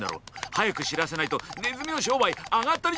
早く知らせないとネズミの商売あがったりじゃねえか。